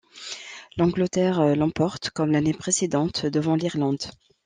L'Angleterre l'emporte comme l'année précédente devant l'Irlande.